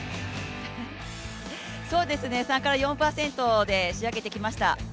そうですね、３から４％で仕上げてきました。